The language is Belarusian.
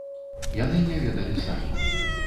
Яны не ведалі самі!